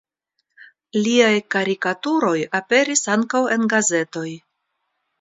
Liaj karikaturoj aperis ankaŭ en gazetoj.